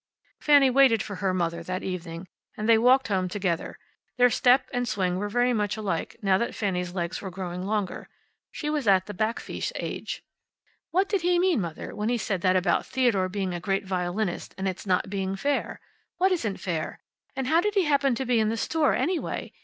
Fanny waited for her mother that evening, and they walked home together. Their step and swing were very much alike, now that Fanny's legs were growing longer. She was at the backfisch age. "What did he mean, Mother, when he said that about Theodore being a great violinist, and its not being fair? What isn't fair? And how did he happen to be in the store, anyway?